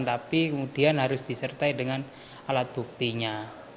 tapi kemudian harus disertai dengan alat buktinya